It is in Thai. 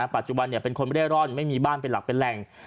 ปัจจุบันเนี่ยเป็นคนพี่ได้รอดไม่มีบ้านเป็นหลักเป็นแรง